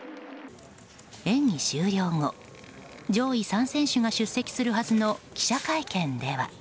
演技終了後上位３選手が出席するはずの記者会見では。